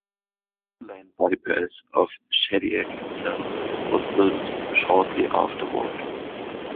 A two-lane bypass of Shediac itself was built shortly afterward.